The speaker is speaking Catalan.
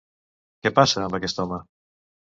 Què passa amb aquest home?